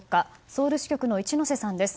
ソウル支局の一之瀬さんです。